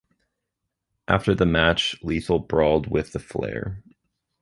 After the match, Lethal brawled with Flair.